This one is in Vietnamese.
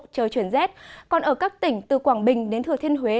trời chuyển rét còn ở các tỉnh từ quảng bình đến thừa thiên huế